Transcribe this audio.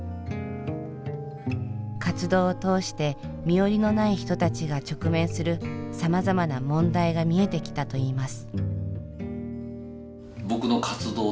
活動を通して身寄りのない人たちが直面するさまざまな問題が見えてきたといいます。